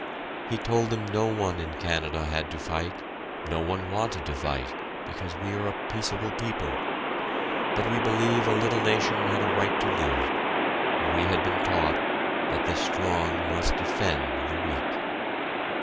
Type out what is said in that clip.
He told them no one in Canada had to fight, no one wanted to fight, because we are peaceable people, but we believe a little nation had a right to live, and we had been taught that the strong must defend the weak.